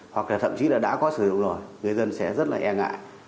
hoặc là thậm chí là đã có sử dụng rồi người dân sẽ rất là e ngại